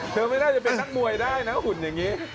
ไม่น่าจะเป็นนักมวยได้นะหุ่นอย่างนี้